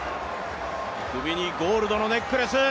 首にゴールドのネックレス。